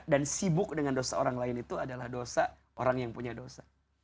dan sibuk dengan dosa orang lain itu adalah dosa orang yang punya dosa